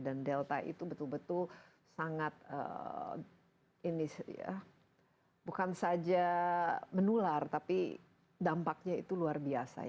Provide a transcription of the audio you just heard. dan delta itu betul betul sangat bukan saja menular tapi dampaknya itu luar biasa